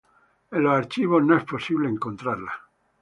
En los archivos no es posible encontrarla.